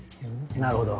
なるほど。